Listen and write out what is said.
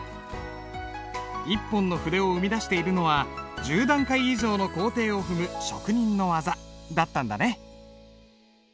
一本の筆を生み出しているのは１０段階以上の工程を踏む職人の技だったんだね。